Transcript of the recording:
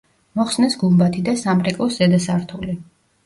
მოხსნეს გუმბათი და სამრეკლოს ზედა სართული.